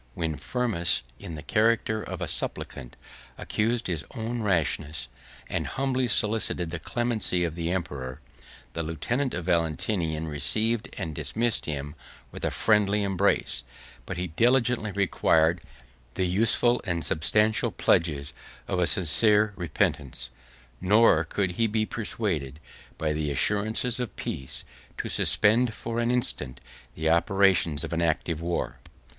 When Firmus, in the character of a suppliant, accused his own rashness, and humbly solicited the clemency of the emperor, the lieutenant of Valentinian received and dismissed him with a friendly embrace: but he diligently required the useful and substantial pledges of a sincere repentance; nor could he be persuaded, by the assurances of peace, to suspend, for an instant, the operations of an active war.